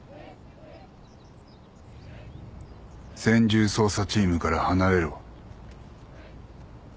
専従捜査チームから離れろ。